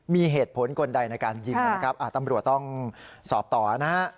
มีเหตุผลคนใดในการยิงนะครับตำรวจต้องสอบต่อนะฮะ